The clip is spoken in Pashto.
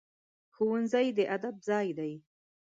ښوونځی د ادب ځای دی